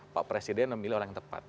pak presiden memilih orang yang tepat